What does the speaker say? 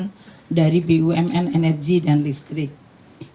pemerintah juga akan menjaga keamanan dan keamanan keuangan